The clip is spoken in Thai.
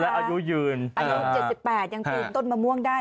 อายุ๗๘ยังกินต้นมะม่วงได้